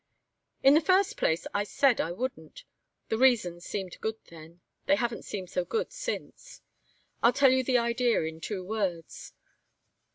"In the first place, I'd said I wouldn't. The reasons seemed good then. They haven't seemed so good since. I'll tell you the idea in two words.